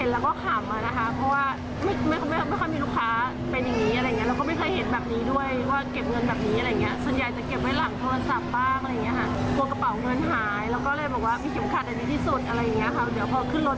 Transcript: แล้วก็เลยบอกว่ามีเข็มขัดในที่สุด